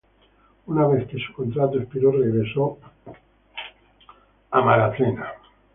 Una vez que su contrato expiró, regresó a Dakota Wizards.